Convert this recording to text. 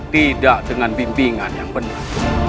tidak dengan bimbingan yang benar